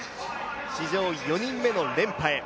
史上４人目の連覇へ。